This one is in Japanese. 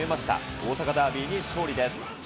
大阪ダービーに勝利です。